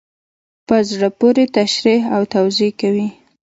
په زړه پوري تشریح او توضیح کوي.